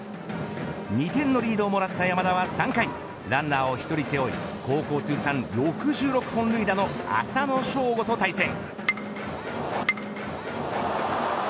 ２点のリードをもらった山田は３回ランナーを１人背負い高校通算６６本塁打の浅野翔吾と対戦。